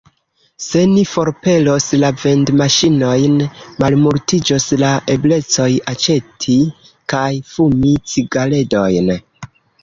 Se ni forpelos la vendmaŝinojn, malmultiĝos la eblecoj aĉeti kaj fumi cigaredojn.